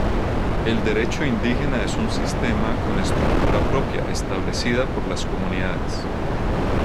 El derecho indígena es un sistema con estructura propia, establecida por las comunidades.